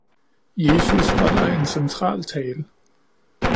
Jesus holder en central tale